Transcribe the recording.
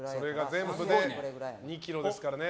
全部で２ｋｇですからね。